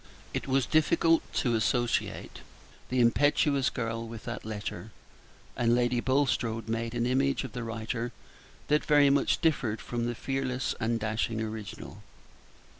It was difficult to associate the impetuous girl with that letter, and Lady Bulstrode made an image of the writer that very much differed from the fearless and dashing original.